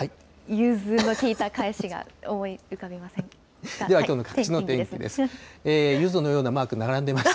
融通のきいた返しが思い浮かびませんでした。